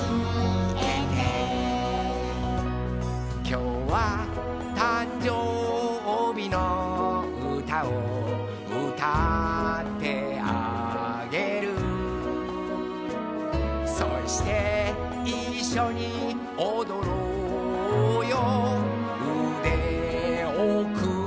「きょうはたんじょうびのうたをうたってあげる」「そしていっしょにおどろうようでをくんで、、、」